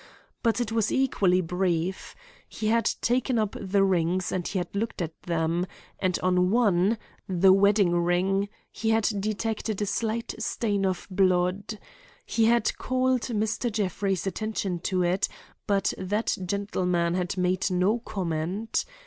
But it was equally brief. He had taken up the rings and he had looked at them; and on one, the wedding ring, he had detected a slight stain of blood. He had called Mr. Jeffrey's attention to it, but that gentleman had made no comment.